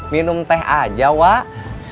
minum teh aja wak